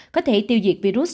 có thể tiêu diệt virus